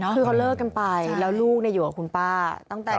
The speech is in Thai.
คือเขาเลิกกันไปแล้วลูกอยู่กับคุณป้าตั้งแต่